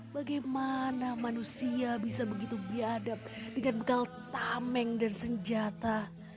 bagaimana manusia bisa begitu biadab dengan bekal tameng dan senjata